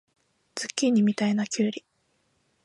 ズッキーニみたいなきゅうり